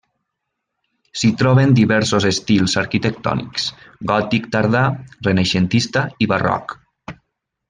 S'hi troben diversos estils arquitectònics: gòtic tardà, renaixentista i barroc.